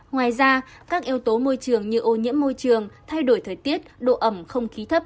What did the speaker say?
ngoài ra các yếu tố môi trường như ô nhiễm môi trường thay đổi thời tiết độ ẩm không khí thấp